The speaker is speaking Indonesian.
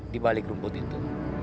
di balik rumput itu